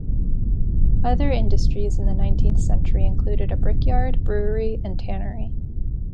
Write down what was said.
Other industries in the nineteenth century included a brickyard, brewery, and tannery.